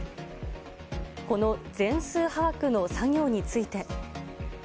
この全数把握の作業について。